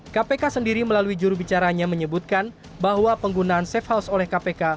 kpk sendiri melalui jurubicaranya menyebutkan bahwa penggunaan safe house oleh kpk